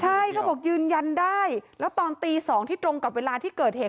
ใช่เขาบอกยืนยันได้แล้วตอนตี๒ที่ตรงกับเวลาที่เกิดเหตุ